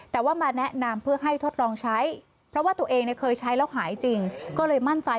แต่ว่ามาแนะนำให้พูดลองใช้